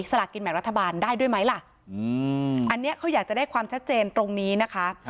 สลากินแบ่งรัฐบาลได้ด้วยไหมล่ะอันนี้เขาอยากจะได้ความชัดเจนตรงนี้นะคะ